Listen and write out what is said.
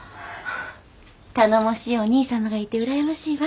頼もしいお兄様がいて羨ましいわ。